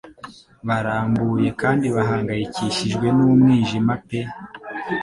Barambuye kandi bahangayikishijwe n'umwijima pe